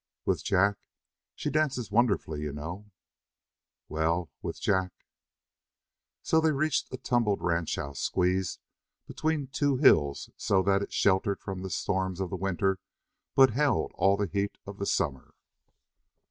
"With Jack? She dances wonderfully, you know." "Well with Jack." So they reached a tumbled ranch house squeezed between two hills so that it was sheltered from the storms of the winter but held all the heat of the summer.